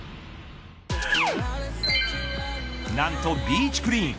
何とビーチクリーン。